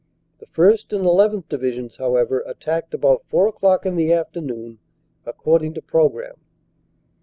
The 1st. and llth. Divisions, however, attacked about four o clock in the afternoon according to programme.